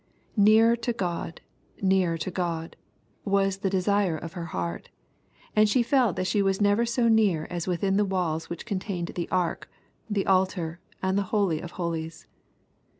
*^ Nearer to God, nearer to God," was the desire of her heart, and she felt that she was never so near as within the walls which contained the ark, the altar, and the holy of holies.